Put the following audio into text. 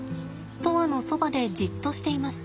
砥愛のそばでじっとしています。